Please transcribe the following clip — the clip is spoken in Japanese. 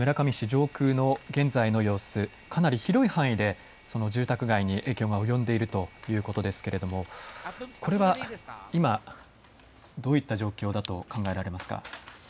上空の現在の様子、かなり広い範囲で住宅街に影響が及んでいるということですけれどもどういった状況だと考えられますか。